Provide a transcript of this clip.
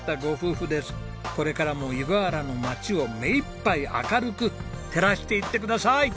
これからも湯河原の町を目いっぱい明るく照らしていってください。